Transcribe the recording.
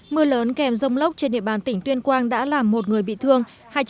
mưa lớn kèm rông lốc trên địa bàn tỉnh tuyên quang đã làm một người bị thương